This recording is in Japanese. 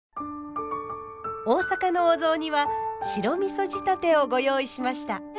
大阪のお雑煮は白みそ仕立てをご用意しました。